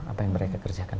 apa yang mereka kerjakan